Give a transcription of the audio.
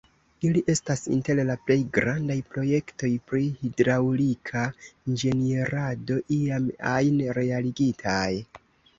Ili estas inter la plej grandaj projektoj pri hidraŭlika inĝenierado iam ajn realigitaj.